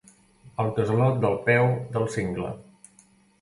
Al casalot del peu del cingle